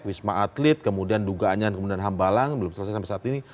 wisma atlet kemudian duga anyan kemudian hambalang belum selesai sampai saat ini